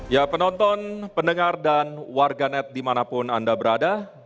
ya penonton pendengar dan warganet dimanapun anda berada